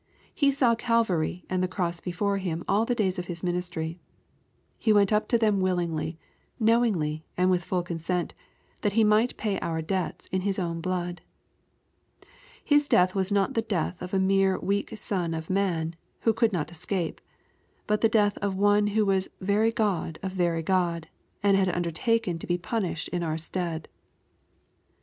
He saw Calvary and the cross before Him all the days of His ministry. He went up to them willingly, knowingly, and with fuU consent, that He might pay our debts in His own blood. His death was not the death of a mere weak son of man, who could not escape ; but the death of Ono who was very God of very God, and had undertaken to be punished in our stead.